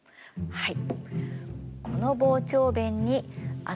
はい。